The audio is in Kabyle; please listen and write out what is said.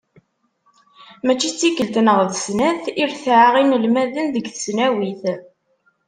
Mačči d tikkelt neɣ d snat i retɛeɣ inelmaden deg tesnawit.